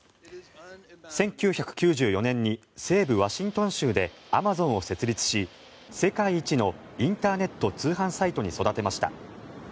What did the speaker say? １９９４年に西部ワシントン州でアマゾンを設立し世界一のインターネット通販サイトに育てました。